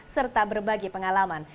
serta berbagi pengalaman